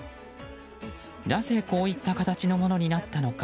なぜ、こういった形のものになったのか。